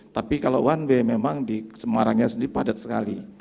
tapi kalau one way memang di semarangnya sendiri padat sekali